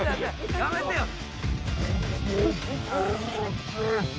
やめてよ。